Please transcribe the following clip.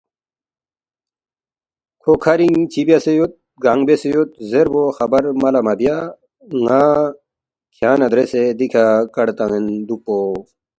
کھو کَھرِنگ چِہ بیاسے یود؟ گانگ بیاسے یود؟ زیربو خبر ملا مہ بیا، ن٘ا کھیانگ نہ دریسے دِکھہ کڑا تان٘ین دُوکپو